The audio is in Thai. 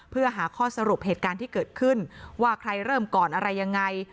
เพื่อหาข้อสรุปเหตุการณ์ที่เกิดขึ้นว่าใครเริ่มก่อนอะไรยังไง